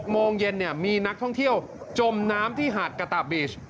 โมงเย็นมีนักท่องเที่ยวจมน้ำที่หาดกะตาบีช